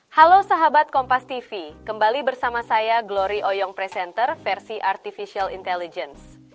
halo sahabat kompas tv kembali bersama saya glory oyong presenter versi artificial intelligence